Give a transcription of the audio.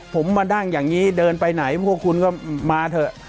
ผมมานั่งอย่างนี้เดินไปไหนพวกคุณก็มาเถอะ